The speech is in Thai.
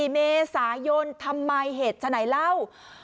๔เมษายนทำไมเหตุฉะไหนเล่า